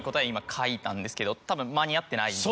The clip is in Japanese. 今書いたんですけどたぶん間に合ってない。